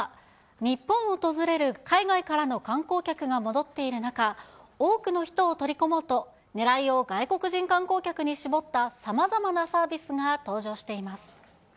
日本を訪れる海外からの観光客が戻っている中、多くの人を取り込もうと、ねらいを外国人観光客に絞ったさまざまなサービスが登場しています。